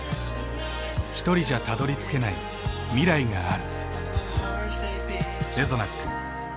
ひとりじゃたどりつけない未来がある。